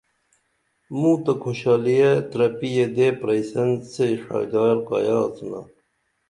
موں تہ کُھوشالیہ ترپی یدے پرئسن سے شائدار کایہ آڅِنا